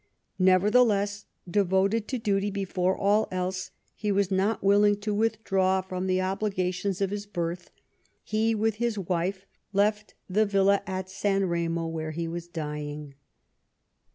Never theless, devoted to duty before all else, he was not willing to withdraw from the obligations of his birth ; he, with his wife, left the villa at San Remo where he was dying.